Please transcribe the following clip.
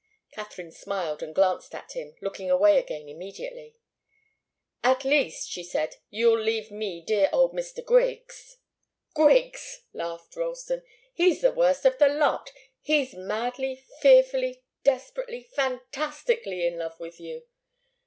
Katharine smiled, and glanced at him, looking away again immediately. "At least," she said, "you'll leave me dear old Mr. Griggs " "Griggs!" laughed Ralston. "He's the worst of the lot. He's madly, fearfully, desperately, fantastically in love with you."